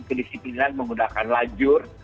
kedisiplinan menggunakan lajur